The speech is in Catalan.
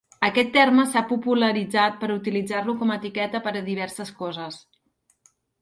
Aquest terme s'ha popularitzat per utilitzar-lo com a etiqueta per a diverses coses.